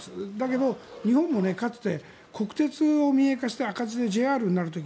でも日本もかつて国鉄を民営化して赤字でＪＲになる時